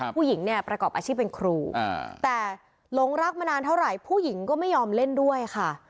ผู้หญิงเนี่ยประกอบอาชีพเป็นครูแต่หลงรักมานานเท่าไหร่ผู้หญิงก็ไม่ยอมเล่นด้วยค่ะ